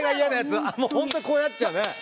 あもう本当にこうなっちゃうね。